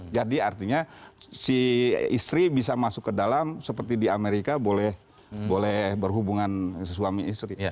jadi artinya si istri bisa masuk ke dalam seperti di amerika boleh berhubungan suami istri